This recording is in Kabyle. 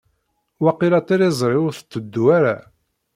Waqila tiliẓri ur tetteddu ara.